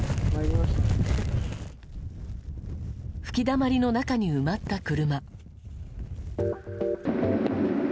吹きだまりの中に埋まった車。